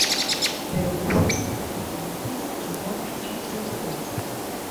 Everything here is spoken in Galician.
Pero o presidente destaca o impulso que supoñen os fondos europeos.